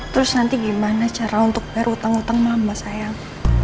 terus nanti gimana cara untuk bayar utang utang lama sayang